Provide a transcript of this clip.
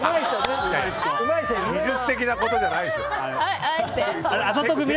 技術的なことじゃないですよ。